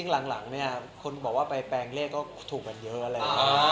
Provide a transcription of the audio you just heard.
จริงหลังเนี่ยคนบอกว่าไปแปลงเลขก็ถูกกันเยอะแหละ